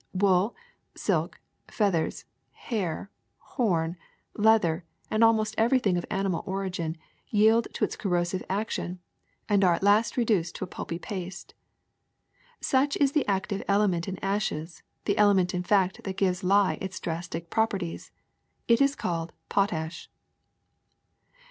Wool, silk, feathers, hair, horn, leather, and al most everything of animal origin yield to its cor rosive action and are at last reduced to a pulpy paste. Such is the active element in ashes, the element in fact that gives lye its drastic properties. It is called potash.''